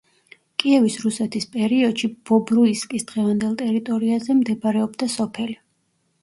კიევის რუსეთის პერიოდში, ბობრუისკის დღევანდელ ტერიტორიაზე, მდებარეობდა სოფელი.